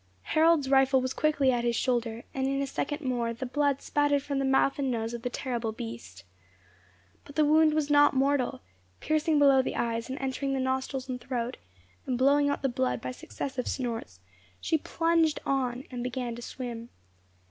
Harold's rifle was quickly at his shoulder, and in a second more the blood spouted from the mouth and nose of the terrible beast. But the wound was not mortal, piercing below the eyes, and entering the nostrils and throat; and blowing out the blood by successive snorts, she plunged on, and began to swim.